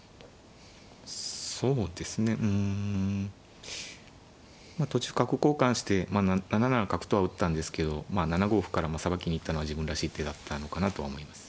そうですねうんまあ途中角交換して７七角とは打ったんですけどまあ７五歩からもさばきに行ったのは自分らしい手だったのかなと思います。